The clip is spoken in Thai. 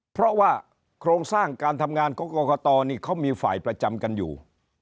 เพราะว่าโครงสร้างการทำงานของกรกตนี่เขามีฝ่ายประจำกันอยู่